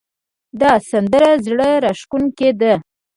دا سندره زړه راښکونکې ده